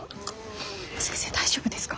先生大丈夫ですか？